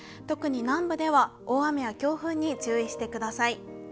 特に南部では大雨や強風に注意してください。